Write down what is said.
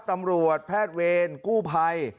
ตำรวจแพทย์เวรกู้ภัย